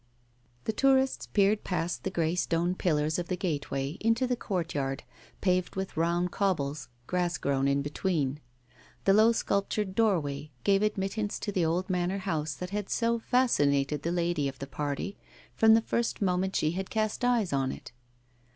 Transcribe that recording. The tourists peered past the grey stone pillars of the gateway into the courtyard, paved with round cobbles, grass grown in between. The low sculptured doorway gave admittance to the old manor house that had so fascinated the lady of the party from the first moment she had cast eyes on it.